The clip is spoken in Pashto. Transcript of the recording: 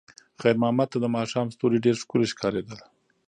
خیر محمد ته د ماښام ستوري ډېر ښکلي ښکارېدل.